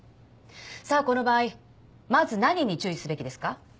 さあこの場合まず何に注意すべきですか？